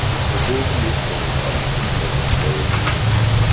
Der Vogel lebt monogam und ortstreu.